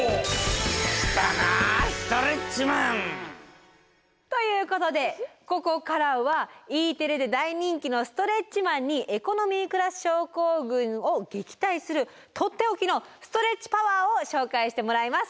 来たなストレッチマン！ということでここからはＥテレで大人気のストレッチマンにエコノミークラス症候群を撃退するとっておきのストレッチパワーを紹介してもらいます。